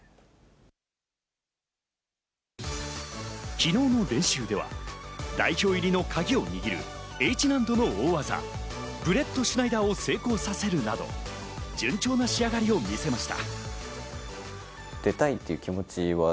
昨日の練習では、代表入りのカギを握るＨ難度の大技、ブレットシュナイダーを成功させるなど、順調な仕上がりを見せました。